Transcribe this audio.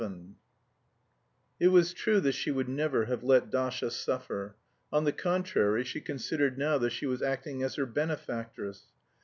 VII It was true that she would never have let Dasha suffer; on the contrary, she considered now that she was acting as her benefactress.